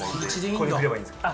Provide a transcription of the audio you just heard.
ここに来ればいいんですか？